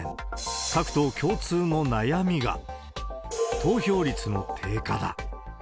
各党共通の悩みが、投票率の低下だ。